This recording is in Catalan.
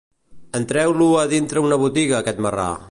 Entreu-lo a dintre una botiga aquest marrà!